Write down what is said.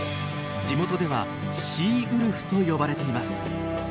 地元では「シーウルフ」と呼ばれています。